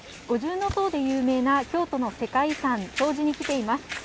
五重塔で有名な京都の世界遺産・東寺に来ています。